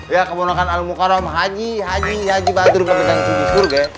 ya kebonakan al mukarram haji haji haji badru bapak jangan suji surga